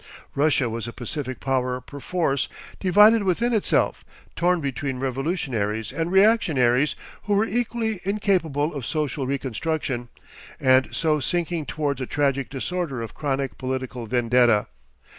Russia was a pacific power perforce, divided within itself, torn between revolutionaries and reactionaries who were equally incapable of social reconstruction, and so sinking towards a tragic disorder of chronic political vendetta.